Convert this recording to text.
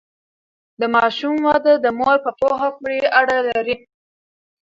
د ماشوم وده د مور په پوهه پورې اړه لري۔